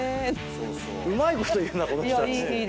うまいこと言うなこの人たち。